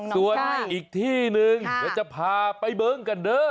ส่วนอีกที่นึงจะพาไปเบิ้งกันด้วย